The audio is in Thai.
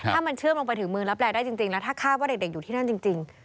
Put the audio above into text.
ถ้ามันเชื่อมลงไปถึงมือแล้วแปลได้จริงจริงแล้วถ้าคาดว่าเด็กเด็กอยู่ที่นั่นจริงจริง